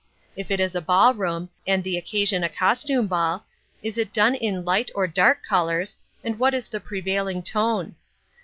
If it is a ball room, and the occasion a costume ball, is it done in light or dark colours, and what is the prevailing tone?